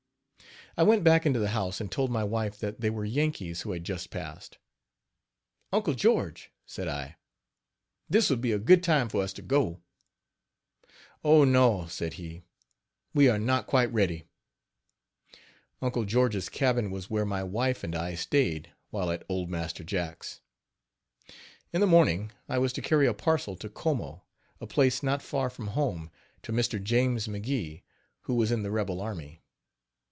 I went back into the house and told my wife that they were Yankees who had just passed. "Uncle George," said I, "this would be a good time for us to go." "Oh, no," said he, "we are not quite ready." Uncle George's cabin was where my wife and I stayed while at old Master Jack's. In the morning I was to carry a parcel to Como, a place not far from home, to Mr. James McGee, who was in the rebel army.